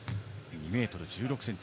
２ｍ１６ｃｍ。